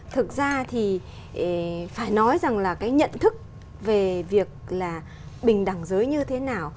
thực ra thì phải nói rằng là cái nhận thức về việc là bình đẳng giới như thế nào